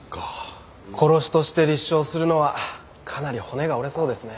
殺しとして立証するのはかなり骨が折れそうですね。